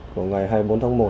của ngày hai mươi bốn tháng một